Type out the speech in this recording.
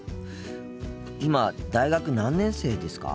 今大学何年生ですか？